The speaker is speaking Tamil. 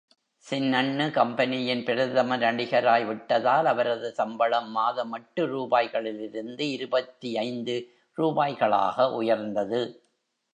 சின்னண்ணு கம்பெனியின் பிரதம நடிகராய் விட்டதால் அவரது சம்பளம் மாதம் எட்டு ரூபாய்களிலிருந்து இருபத்தி ஐந்து ரூபாய்களாக உயர்ந்தது.